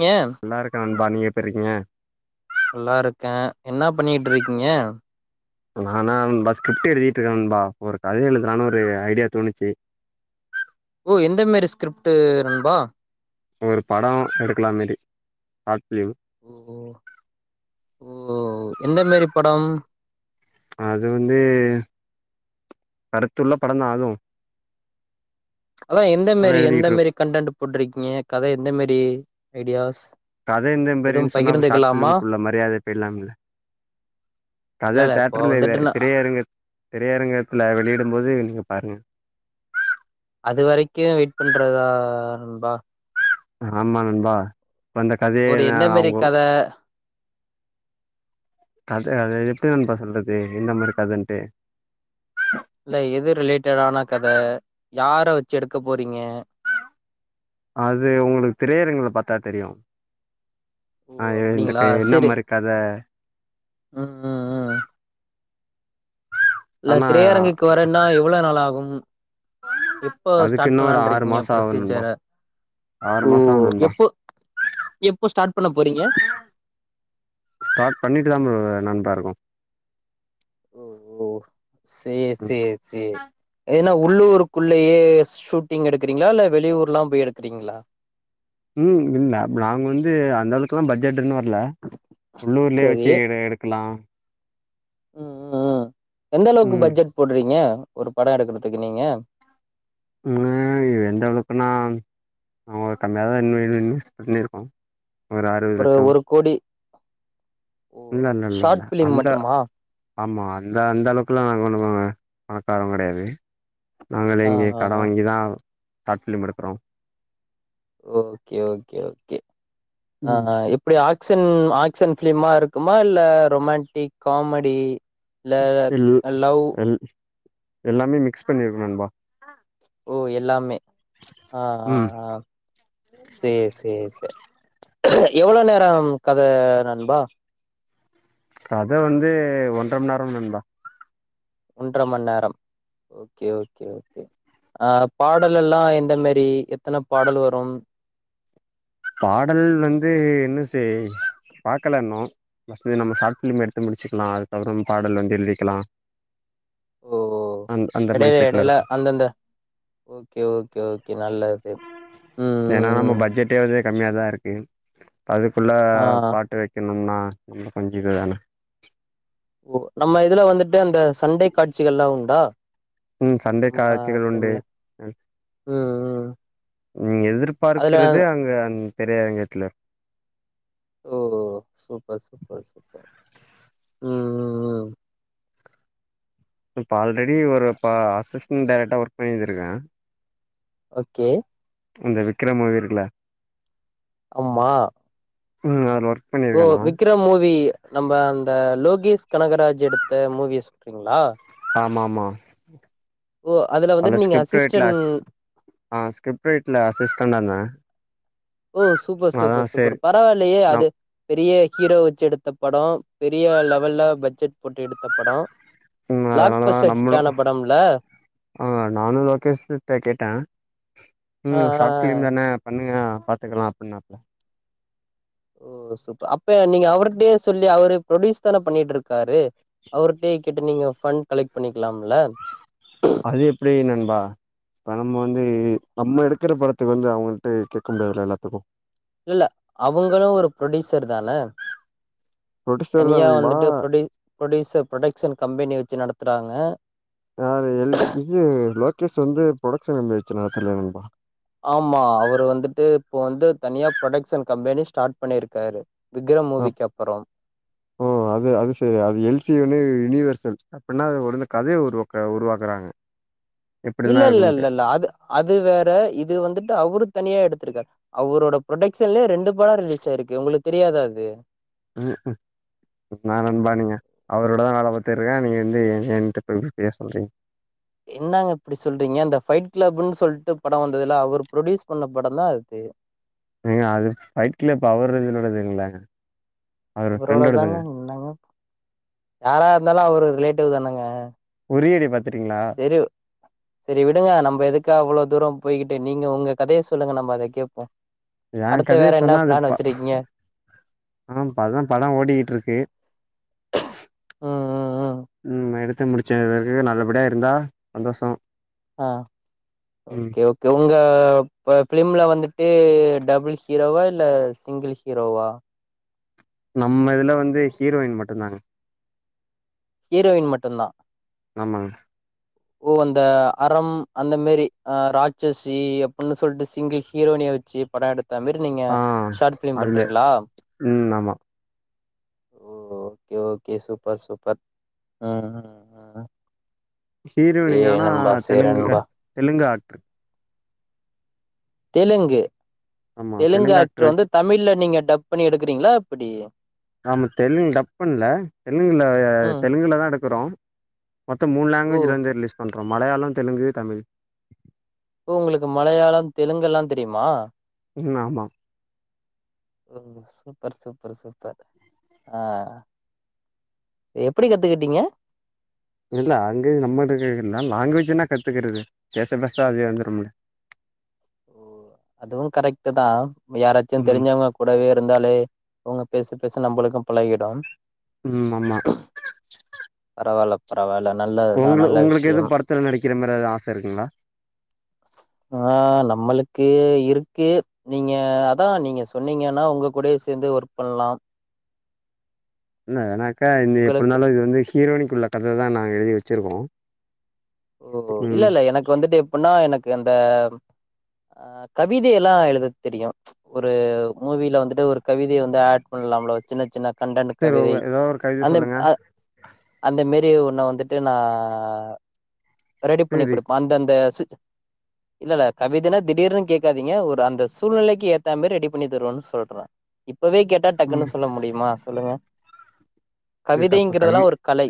ங்க நல்லா இருக்கா பா நீங்க எப்புறிக்கீங்க நல்லா இருக்கே என்ன பண்ணிட்டு இருக்கீங்க நானா இந்த ஸ்கிரிப்ட் எழுதிட்டு இருக்கே நண்பா ஒரு கதை எழுதுலானு ஒரு ஐடியா தோணுச்சு ஓ எந்த மாரி ஸ்கிரிப்டு நண்பா ஒரு படம் எடுக்கலா மாரி ஷார்ட் ஃபிலிம் ஓ ஓ ஓ எந்த மாரி படம் அது வந்து கருத்துள்ள படந்தா அது அதா எந்த மரி எந்த எழுதிட்ரு மரி கண்டன்ட் போட்டிருக்கீங்க கத எந்த மரி ஐடியாஸ் கத எந்த எதுவும் மாதிரின்னு சொன்னாப்ப ஷார்ட் பகிர்ந்துக்கலாமா பிலிம்க்குள்ள மரியாதை பேயிடலாம்ல இல்ல கத இல்ல இப்போ தேட்டர்ல வந்துட்டு நா திரையரங்க திரையரங்கத்துல வெளியிடும் போது நீங்க பாருங்க அது வரைக்கு வெயிட் பண்றதா நண்பா ஆமா நண்பா இப்ப அந்த கதைய ஒரு நா எந்த மரி அவுங்க கத கத கத எப்டி நண்பா சொல்றது எந்த மாதிரி கதன்ட்டு இல்ல எது ரிலேட்டடான கத யார வச்சு எடுக்க போறீங்க அது உங்களுக்கு திரையறங்குல பாத்தா தெரியு ஓ ஆ இந்த அப்டிங்களா க செரி என்னமாரி கத ம் ம் ம் இல்ல ஆனா திரையரங்குக்கு வரோ இன்னு எவ்வளவு நாள் ஆகும்னு அதுக்கு இன்னு ஒரு ஆறு இருக்கீங்க மாசோ ஆவு நண்பா ப்ரொசீஜர ஆறு ஓ மாசோ ஆவு நண்பா எப்போ எப்போ ஸ்டார்ட் பண்ண போறீங்க ஸ்டார்ட் பண்ணிட்டு தா ப்ர நண்பா இருக்கோ ஓ ஓ செரி ம் செரி செரி அது என்ன உள்ளூருக்குள் ள்ளயே ஷூட்டிங் எடுக்கிறீங்களா இல்ல வெளியூர் எல்லா போய் எடுக்கிறீங்களா ம் இல்ல நாங்க வந்து அந்த அளவுக்குல்லா பட்ஜெட் இன்னு வரு உள்ளூர்லயே வச்சு எடுக்கலா உம் உம் உம் எந்த அளவுக்கு ம் பட்ஜெட் போடுறீங்க ஒரு பட எடுக்குறதுக்கு நீங்க எந்த அளவுக்குனா நாங்க கம்மிய தா இது இஸ் பண்ணியிருக்கோ ஒரு ஒரு கோடி ஓ இல்ல இல்ல இல்ல ஷார்ட் இல்ல பிலிம் அந்த மட்டுமா ஆமா அந்த அந்த அளவுக்குலா நாங்க கொன்னு பணக்காரவங்க கெடயாது நாங்களே ஆ இங்கே ஆ கட ஆ வாங்கி தா சாட் பிலிம் எடுக்குறோ ஓகே ஓகே ஓகே நா ம் நா எப்டி ஆ ஆக்சன் ஆக்சன் பிலிமா இருக்குமா இல்ல ரொமாட்டிக் காமெடி இல்ல இல் லவ் அல் எல்லாமே மிக்ஸ் பண்ணிருக்னு நண்பா ஓ எல்லாமே ஆ ஆ ம் ஆ சேரி சேரி சேரி எவ்ளோ நேரம் கத நண்பா கத வந்து ஒன்றர மணி நேரம் நண்பா ஒன்ற மணி நேரம் ஓகே ஓகே ஓகே அ பாடல் எல்லா எந்த மாரி எத்தன பாடல் வரும் பாடல் வந்து என்னச்செய் பாக்கல இன்னு இது நம்ம சாட் பிலிம் எடுத்து முடிச்சுக்லா அதுக்கப்றோ பாடல் வந்து பாடல் வந்து எழுதிக்கலா ஓ அந் அந்த மைண்ட் எடையில செட்ல எடையில இருக்கோ அந்தந்த ஓகே ஓகே ஓகே நல்லது உம் இருக்குறதே கம்மியாதா இருக்கு அதுக்குள்ள ஆ பாட்டு வக்கணும்னா நல்ல சேஞ்சது தான ஓ நம்ம இதுல வந்துட்டு அந்த சண்டை காட்சிகலா உண்டா உம் சண்டை நம்ம காட்சிகள் உண்டு ஃபிலிம்ல ம் ம் உ அதுல எதிர்பார்க்குறது அங்க அ திரையரங்கத்ல ஓ ஓ சூப்பர் சூப்பர் சப்பர் உம் இப்ப ஆல்ரெடி ஒரு இப்ப அசிஸ்டன்ட டைரக்டர் பண்ணிதிருக்க ஓகே இந்த விக்ரம் மூவி இருக்ள ஆமா ம் ஆறுவார் ஓ விக்ரம் மூவி நம்ம அந்த லோகேஷ் கனகராஜ் எடுத் அந்த மூவி சொல்றீங்களா ஆமா ஆமா ஓ அதுல அந்த வந்துட்டு நீங்க ஸ்கிரிப்ட் ரேட்ல அசிஸ்டன்ட் அஸிஸ் ஆ ஸ்கிரிப்ட் ரேட்ல ஆசிஸண்டாருந்த ஓ சூப்பர் சூப்பர் சூப்பர் பரவாயில்லையே நம் அது பெரிய ஹீரோ வச்சு எடுத்த படோ பெரிய லெவல்ல பட்ஜெட் போட்டு எடுத்த படோ ம் பிளாக் அதனாலதா பஸ்டர் ஹிட் நம்மளு ஆன படம்ல ஆ நானு லொகேஷிட்ட கேட்டே ஆ ம் ஆ ஷார்ட் ஃபிலிம் தானே பண்ணுங்க பாத்துக்கலா அப்டினாப்ல ஓ சூப்பர் அப்ப நீங்க அவர்க்டே சொல்லி அவரு ப்ரொடியூஸ் தானே பண்ணிட்டு இருக்காரு அவர்க்டே கிட்ட நீங்க ஃபண்ட் கலெக்ட் பண்ணிக்கலாம்ல வா இப்ப நம்ம வந்து நம்ம எடுத்து இருக்கிற படத்துக்கு வந்து அவங்கிட்ட கேட்க முடியாதுல எல்லாத்துக்கு இல்லல்ல அவங்களு ஒரு பு்ரொடியூசர் தானே ப்ரொடியூசர் தா தனியா நண்பா வந்துட்டு ப்ரொடி ப்ரொடியூசர் பு்ரொடக்ஷன் கம்பெனி வச்சு நடத்துறாங்க யாரு எல் இது லோகேஷ் வந்து பு்ரொடகக்ஷன் நம்பி வச்சு நடத்தல நண்பா ஆமா அவரு வந்துட்டு இப்போ வந்து தனியா ப்ரொடக்ஷன் கம்பெனி ஸ்டார்ட் பண்ணியிருக்காரு அ ஓ அது அது சரி அது எல்சியூ யூனிவர்ச அப்டின்னா அது உந்து கதைய உருவாக்க உருவாக்குறாங்க எப்டிலா இல்ல இல்ல இருக்குன்ட்டு இல்ல இல்ல அது அது வேற இது வந்துட்டு அவரு தனியா எடுத்திருக்கரு அவரோட புரடக்ஷன்லயே ரெண்டு படோ ரிலீஸ் ஆயிருக்கு உங்களுக்கு தெரியாதா அது உஅ ன்னா நண்பானிங்க அவரோடதா வேலப் போத்தருக்கா நீங்க வந்து எனிட்ட போ பேச சொல்றீங்க என்னங்க இப்டி சொல்றீங்க அந்த ஃபைட் கிளப்ன்னு சொல்லிட்டு படம் வந்தது இல்ல அவர் ப்ரொடியூஸ் பண்ண படோ தா அது ஏங்க அது ஃபைட்க்ளப் அவரோடது இதுங்ளங்க அவரோடதாங்க நின்னாங்க யாரா இருந்தாலு அவர் ரிலேட் டிவ் தானங்க குறியிடப்பாத் செரி சரி விடுங்க நம்ம எதுகா அவ்ளோ தூரோ போய்கிட்டு நீங்க உங்க கதைய சொல்லுங்க நம்ம அத கேட்போ எ கதைய சொன்னாதுப்பா ஆ அதா படோ ஓடிட்டு இருக்கு ம் ம் ம் எடு த்து முடுச்சே இது பெறகு நல்லபடியா இருந்தா சந்தோஷோ ஆ ஒகே ஒகே உங்க ப பிலிம்ல வந்து ட்டு டபுள் ஹீரோவா இல்ல சிங்கிள் ஹீரோவா? நம்ம இதுல வந்து ஹீரோயின் மட்டுந்தாங்க ஹீரோயின் மட்டுந்தா ஆமாங்க. ஓ அந்த அறம் அந்த மாரி அ ராட்சசி அப்புன்னு சொல்ட்டு சிங்கிள் ஹீரோனிய வச்சு படோ எடு த்த மார் நீங்க ஆ ஷாட் ஃபிலிம் அதுல. பண்றீங்ளா? ம் ஆமா. ஓகே ஒகே சூப்பர் சூப்பர் ஆ ஆ ஆ அ ஹீரோயினி ஆனா தெலுங்கு நண்பா தெலுங்கு ஆக்ட்ரு தெலுங்கு ஆமா தெலுங்கு ஆக்டர் ஆக்ட்ரு வந்து வச்சு தமிழ்ல நீங்க டப் பண்ணி எடுக்குறீங்ளா எப்புடி? ஆமா தெலுங்கு டப் பண்ல தெலுங்குல ம் தெலுங்குல தா எடுக்குறோ மொத்தொ மூண் ஓ லங்வேஜ்லந்து ரிலீஸ் பண் றொ மலையாளொ தெலுங்கு தமிழ் ஓ உங்களுக்கு மலையாளம் தெலுங்கெல்லா தெரியிமா? ம் ஆமா. ஓ சூப்பர் சூப் ப்ர் சூப்பர் ஆ எப்பிடி கத்துக்கிட்டீங்க? இது லாங்வேஜ் நம்மள்டகே என்னா லாங்வேஜுன்னா கத்துக்குறது பேச பேச அதே வந்துரும்ல ஓ அதுவு கரெக்ட்டு தா யாராச்சு ம் தெரிஞ்சவ்ங்க கூடவே இருந்தாலே அவுங்க பேச பேச நம்பளுக்கு பழகிடும் ம் ஆமா பரவால்ல பரவால்ல நல்லதுதா உங்ள நல்ல உங்ளுக்கு எது விஷயம் படத்துல நடிக்கிற மாரி எது ஆச இருக்குங்ளா? னக்கு இருக்கு நீங்க அதா நீங்க சொன்னீங்கனா உங்க கூடயே சேந்தே ஒர்க் பண்லா என்ன எனா க்குலா இந்த உங்களுக்கு எப்பின்னாலு இது வந்து ஹீரோயினிக்கு உள்ள கததா நா எழுதி வ ச்சுருவோ ஓ இல்லெல்ல எனக்கு வந்துட்டு எப் பின்னா எனக்கு அந்த அ கவிதைய எல்லா எழுத தெரியு ஒரு மூவில வந்துட்டு ஒரு கவிதைய வந்து ஆட் பண்லாம்ல ஒ சின்ன சின்ன கண்டடு சரி ஒ கவிதை ஏதாவது ஒரு கவித அந்த சொல்லுங்க அ அந்த மேறி அப்டியே உன்ன வந்துட்டு நா ரெடி பண்ணி சரி கொடுப்பா அந்த அந்தஷூ இல்ல இல்ல கவிதைனா திடீர்னு கேட்காதீங்க ஒரு அந்த சூழ்நிலைக்கு ஏத்தா மேரி ரெடி பண்ணி தருவேன்னு சொல்றே இப் இப்பவே கேட்டா ம் டக்குன்னு சொல்ல முடியுமா சொல்லுங்க சரி தப்பு கவிதைங்கிறதெல்லா கவி ஒரு கலை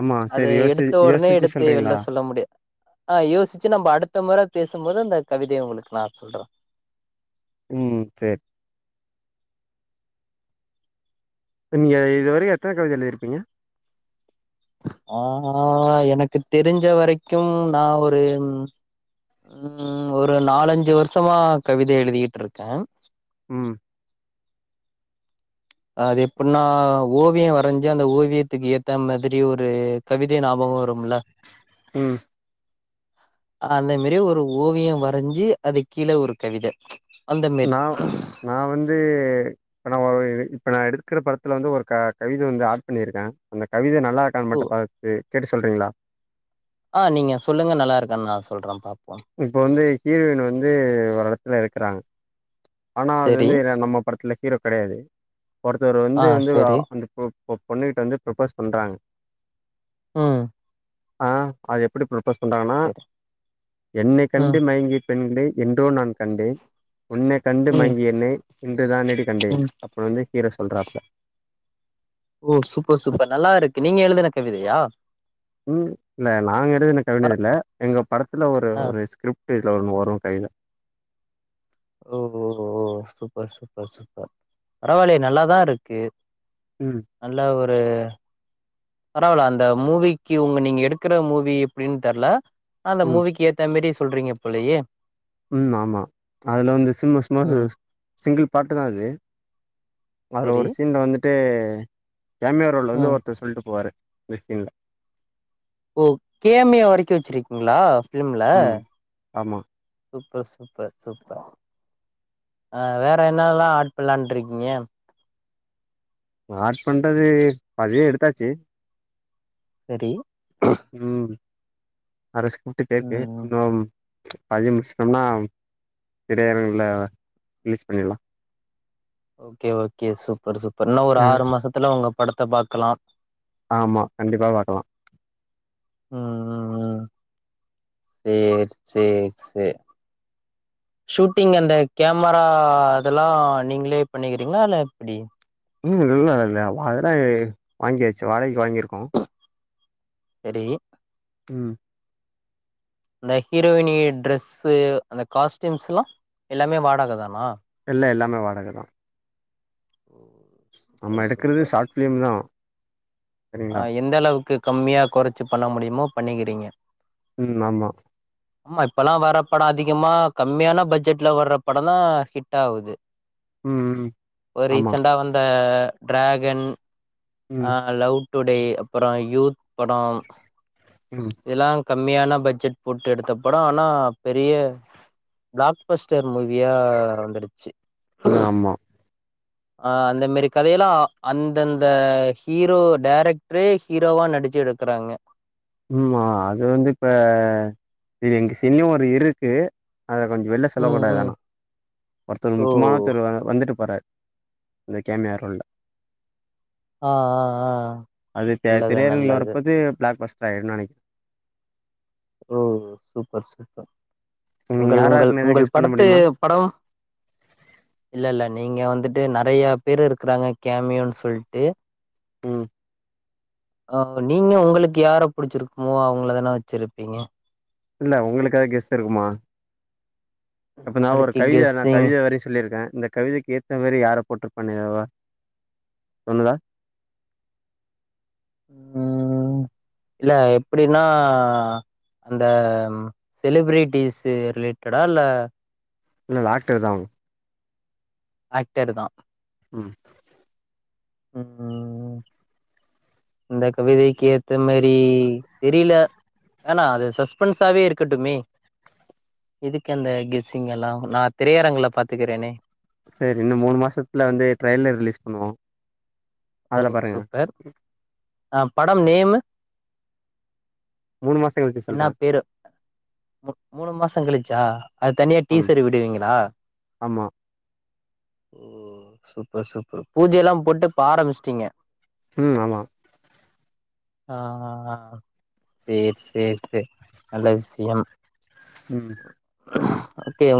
ஆமா அது சரி யோசி எடுத்த உடனே யோசிச்சு எடுத் வெல்ல சொல்றீங்களா சொல்ல முடியு ஆ யோசிச்சு நம்ம அடுத்த மொற ட பேசும்போது அந்த கவிதை உங்களுக்கு நா சொல்ற ம் சரி நீங்க இதுவரைக்கு எத்தன கவிதை எழுதிருப்பீங்க ஆ எனக்கு தெரிஞ்ச வரைக்கு நா ஒரு உம் ஒரு நாலஞ்சு வருஷமா கவிதை எழுதிட்டு இருக்கே ம் அது எப்புன்னா ஓவியே வரைஞ்சு அந்த ஓவியத்துக்கு ஏத்த மாதிரி ஒரு கவிதை ஞாபகோ வரும்ல ம் அந்த மேரி ஒரு ஓவியம் வரைஞ்சு அது கீழே ஒரு கவித அந்த மாரி நா நா வந்து இப்பனா வெ இப்ப நா எடுத்துக்கிற படத்துல வந்து ஒரு க கவிதை வந்து ஆட் பண்ணியிருக்கே அந்த கவிதை நா நல்லாற்கான்னு ஓ மட்டு பார்த்து கேட்டு சொல்றீங்களா ஆ நீங்க சொல்லுங்க நல்லா இருக்கன்னு நா சொல்ற இப்போ வந்து ஹீரோயின் வந்து ஒரு எடத்துல இருக்கிறாங்க ஆனா அது செரி வந்து நம்ம படத்துல ஹீரோ கிடையாது ஒருத்தவர் ஆ வந்து வந்து செரி அந்த பொ பொ பொண்ணுக்கிட்டு வந்து ப்ரப்போஸ் பண்றாங்க ம் ஆ அது எப்டி ப்ரப் ப்போஸ் பண்றாங்கன்னா செரி என்னை கண்டு ம் மயங்கி பெண்களை என்றோ நான் கண்டேன் உன்னை கண்டு ம் மயங்கிய என்னை இன்றுதானேடி கண்டேன் ம் அப்புன்னு வந்து ஹீரோ சொல்றாப்புள ஓ சூப்பர் சூப்பர் நல்லா இருக்கு நீங்க எழுதுன கவிதையா ம் இல்ல நாங்க எதுன கவித பர இல்ல எங்க படத்துல ஒரு ஆ ஒரு ஸ்கிரிப் இல ஒன்னு வரு கவித ஓஓ ஓ சூப்பர் சூப்பர் சூப்பர் பரவால்லையே நல்லாதா இருக்கு ம் நல்லா ஒரு அ பரவல அந்த மூவிக்கு உங்க நீங்க எடுக்கற மூவி எப்டின்னு தெர்ல அந்த ம் மூவிக்கு ஏத்த மரி சொல்றீங்க போலயே ம் ஆமா அதில் வந்து சும்மா சும்மா ம் சிங்கிள் பாட்டு தா அது அவர் செரி ஒரு சீனில் வந்துட்டு கேமியோ ரோல்ல வந்து ம் ஒருத்தர் சொல்லிட்டு போவாரு பேசிலில்ல ஓ கேமியோ வரைக்கு வச்சிருக்கீங்களா ஃபிலிம்ல ம் ஆமா சூப்பர் சு சூப்பர் சூப்பர் ஆ வேற என்னல்லா ஆட் பண்ணலான்ட்டு இருக்கீங்க ஆட் பண்றது பதிவே எடுத்தாச்சு சரி ம் அத ஸ்கிரிப்டு கேட்டு ம் இன்னு பாதிய முடிச்சுடோம்னா திரையரங்கல ரிலீஸ் பண்ணிடலா ஓகே ஓகே சூப்பர் சூப்பர் என்னா ஒரு ஆறு மாசத்துல உங்க படத்த பாக்கலா ஆமா கண்டிப்பா பாக்கலா ம் ம் ம் சேரி சேரி சேரி ஷூட்டிங் அந்த கேமரா அதெல்லா நீங்களே பண்ணிக்கிறீங்களா இல்ல எப்டி ம் இல்ல இல்ல அததா வாங்கியாச்சு வாடகைக்கு வாங்கியிருக்கோ சரி ம் அந்த ஹீரோயினி ட்ரெஸ்ஸு அந்த காஸ்டியூம்ஸ்ல்லா எல்லாமே வாடக தானா எல்லா எல்லாமே வாடகதா [inaudible] நம்ம எடுக்கிறது ஷார்ட் ஃபிலிம் தா சரிங்களா அ எந்த அளவுக்கு கம்மியா கொறச்சி பண்ண முடியுமோ பண்ணிக்கிறீங்க ம் ஆமா ஆமா இப்பல்லா வர்ர படோ அதிகமா கம்மியான பட்ஜெட்ல வர்ற படம் தா ஹிட் ஆகுது ம் ம் ஒரு ஆமா ரீசண்டா வந்த ட்ராகன் ஆ ம் லவ் டுடே அப்புறோ யூத் படோ ம் இதல்லா கம்மியான பட்ஜெட் போட்டு எடுத்த படோ ஆனா பெரிய பிளாக்பஸ்டர் மூவியா வந்துடுச்சு ம் ஆமா அ அந்த மாரி கதையெல்லா அந்தந்த ஹீரோ டேரக்டரே ஹீரோவா நடிச்சு எடுக்கறாங்க மா அது வந்து இப்ப இது எங்க சீன்லயு ஒரு இருக்கு அத கொஞ்சோ வெளியில ம் செல்லக்கூடாது ம் ஆனா ஒருத்தர் ஓ முக்கியமான ஒருத்தர் வ வந்துட்டு போறார் அந்த கேமியாரோல்ல ஆ ஆ ஆ அது த நல்லது திரையரங்கில நல்லது வரப்போது பிளாக்பஸ் டைட் நானிக் ஓ சூப்பர் சூப்பர் நீங்க உங்கள் யாரா உங்கள் இருக்குன்னு எதா உங்கள் கெஸ் பண்ண படத்து முடியுமா படம் இல்ல இல்ல நீங்க வந்துட்டு டு நெறைய பேர் இருக்குறாங்க கேமியோன்னு சொல்ட்டு ம் ஆ நீங்க உங்களுக்கு யார புடிச்சிருக்குமோ அவங்களதானே வச்சிரு ருப்பீங்க இல்ல உங்களுக்கு ஏதாவது கெஸ் இருக்குமா அப்போ நா ஒரு நம்மளுக்கு கவிதை நா கெஸ்ஸிங் கவிதை வரைய சொல்லியிருக்கே இந்த கவிதைக்கேத்தா மாரி யார போட்டிருப்பண்ணு எதா தோணுதா ம் இல்ல எப்டின்னா அந்த செலிபிரிட்டிஸ்ஸு ரிலேட்டடா இல்ல இல்ல ஆக்டர்தா அவுங்க ஆக்டர் தா ம் ம் ஹு ம் இந்த கவிதைக்கேத்த மாரி தெரியல வேணா அது சஸ்பென்ஸாவே இருக்கட்டுமே எதுக்கு அந்த கெஸ்ஸிங்கெல்லா நா திரையரங்குள பாத்துக்கறனே சரி இன்னோ மூணு மாசத்துல வந்து ட்ரெய்லர் ரிலீஸ் பண்ணுவோ அதுல பாருங்க ஆ படம் நேமு மூணு மாசோ கழிச்சு என்னா சொல்றே பேரு மு மூணு மாசங்கலிச்சா அது தனியா ம் டீசர் விடுவீங்களா ஆமா ஓ சூப்பர் சூப்பர் பூஜையெல்லா போட்டு ஆரம்பிச்சிட் டீங்க ம் ஆமா ஆ ஆ ஆ செரி செரி செரி நல்ல விஷ்யம் ம் ஓகே அம்